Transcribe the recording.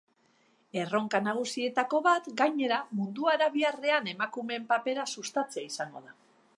Erronka nagusietako bat, gainera, mundu arabiarrean emakumeen papera sustatzea izango da.